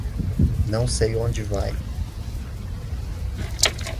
Não sei onde vai.